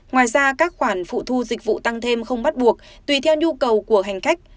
ngoài ra các khoản phụ thu dịch vụ tăng thêm không bắt buộc tùy theo nhu cầu của hành khách